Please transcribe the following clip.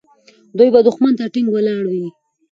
دوی به دښمن ته ټینګ ولاړ وي.